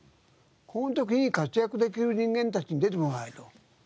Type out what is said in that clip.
こういう時に活躍できる人間たちに出てもらわないと。